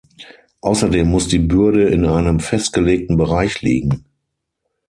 Außerdem muss die Bürde in einem festgelegten Bereich liegen.